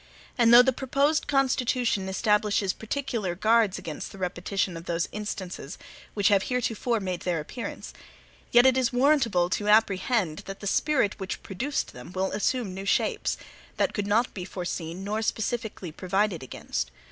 And though the proposed Constitution establishes particular guards against the repetition of those instances which have heretofore made their appearance, yet it is warrantable to apprehend that the spirit which produced them will assume new shapes, that could not be foreseen nor specifically provided against.